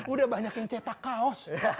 udah banyak yang cetak kaos